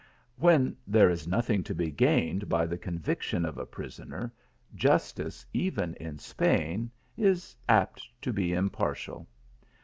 When there is nothing to be gained by the con viction of a prisoner, justice, even in Spain, is apt to be impartial.